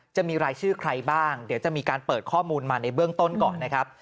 จะมีรายชื่อใครบ้างเดี๋ยวจะมีการเปิดข้อมูลมาในเบื้องต้นก่อนนะครับ